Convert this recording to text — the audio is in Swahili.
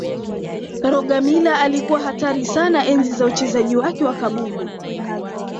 rogermiller alikuwa hatari sana enzi za uchezaji wake wa kabumbu